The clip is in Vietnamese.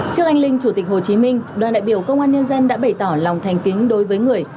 trước anh linh chủ tịch hồ chí minh đoàn đại biểu công an nhân dân đã bày tỏ lòng thành kính đối với người